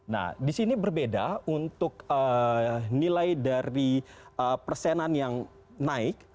nah di sini berbeda untuk nilai dari persenan yang naik